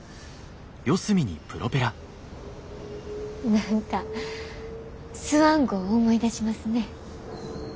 何かスワン号思い出しますね。